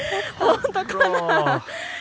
本当かな。